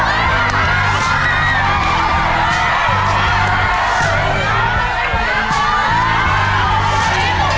วันนี้หมดเวลา๓นาทีครับ